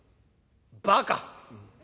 「バカ。